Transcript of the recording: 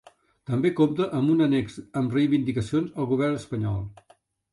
També compta amb un annex amb reivindicacions al Govern espanyol.